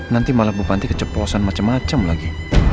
nanti malah bu panti keceposan macem macem lagi